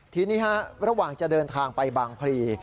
ทีนี้ระหว่างจะเดินทางไปบางพลี